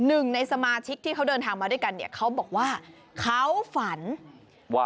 หนึ่งในสมาชิกที่เขาเดินทางมาด้วยกันเนี่ยเขาบอกว่าเขาฝันว่า